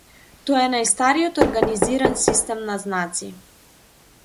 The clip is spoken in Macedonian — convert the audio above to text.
Тоа е најстариот организиран систем на знаци.